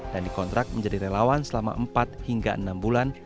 dan dikontrak menjadi relawan selama empat hingga enam bulan